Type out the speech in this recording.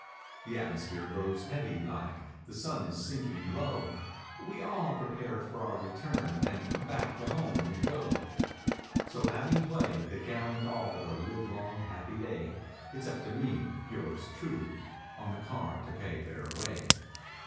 104 The atmosphere grows heavy like; The sun is sinking low We all prepare for our return And back to home we go; So having played the gallant all The livelong, happy day, It's up to me—yours truly—on The car to pay their way.